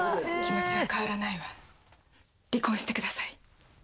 気持ちは変わらないわ離婚してください